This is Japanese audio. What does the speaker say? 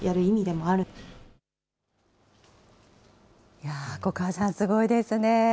いやぁ、粉川さん、すごいですね。